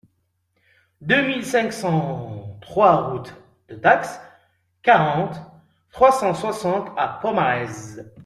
deux mille cinq cent trois route de Dax, quarante, trois cent soixante à Pomarez